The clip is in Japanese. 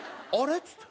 っつって。